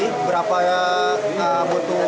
berapa butuh apa aja yang kita butuhkan